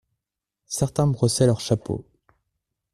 Certains brossaient leurs chapeaux.